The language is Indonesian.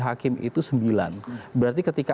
hakim itu sembilan berarti ketika